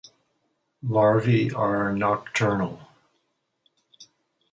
Larvae are nocturnal.